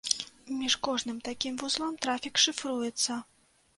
Між кожным такім вузлом трафік шыфруецца.